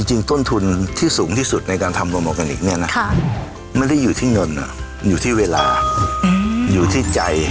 จริงต้นทุนที่สูงที่สุดในการทำโรแกนิคเนี่ยนะไม่ได้อยู่ที่เงินอยู่ที่เวลาอยู่ที่ใจ